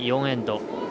４エンド。